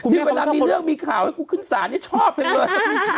ที่เวลามีเรื่องมีข่าวให้กูขึ้นสารชอบไปเลยครับ